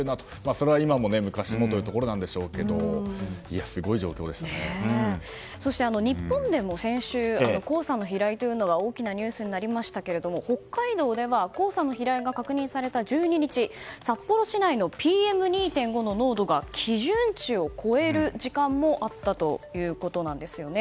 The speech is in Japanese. それは今も昔もというところですがそして日本でも先週黄砂の飛来というのが大きなニュースになりましたが北海道では黄砂の飛来が確認された１２日札幌市内のＰＭ２．５の濃度が基準値を超える時間もあったということなんですよね。